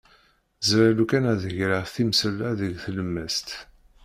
Ẓriɣ lukan ad d-greɣ timsal-a deg tlemmast.